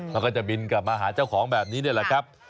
แล้วก็จะบินกลับมาหาเจ้าของแบบนี้นี่แหละครับ